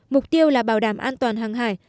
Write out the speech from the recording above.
mục tiêu là bảo đảm an toàn hàng hải